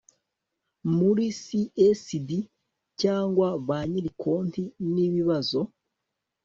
muri csd cyangwa ba nyiri konti n ibibazo